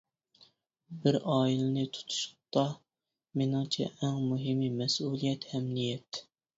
بىر ئائىلىنى تۇتۇشتا مېنىڭچە ئەڭ مۇھىمى مەسئۇلىيەت ھەم نىيەت.